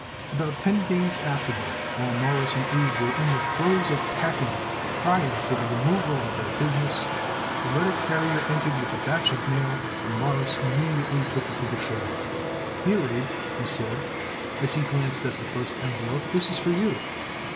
About ten days afterward, while Morris and Abe were in the throes of packing, prior to the removal of their business, the letter carrier entered with a batch of mail, and Morris immediately took it into the show room. "Here, Abe," he said, as he glanced at the first envelope, "this is for you."